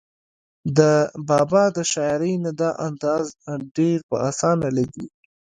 د بابا د شاعرۍ نه دا اندازه ډېره پۀ اسانه لګي